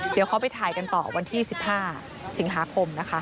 เดี๋ยวเขาไปถ่ายกันต่อวันที่๑๕สิงหาคมนะคะ